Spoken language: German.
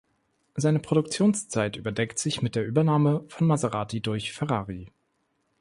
Seine Produktionszeit überdeckt sich mit der Übernahme von Maserati durch Ferrari.